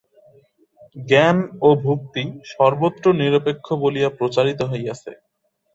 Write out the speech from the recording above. জ্ঞান ওই ভক্তি সর্বত্র নিরপেক্ষ বলিয়া প্রচারিত হইয়াছে।